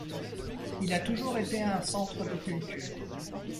Il a toujours été un centre de culture.